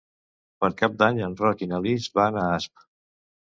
Per Cap d'Any en Roc i na Lis van a Asp.